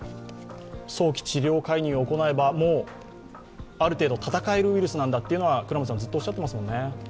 早期治療介入を行えばある程度闘えるウイルスなんだと倉持さん、ずっとおっしゃっていますもんね。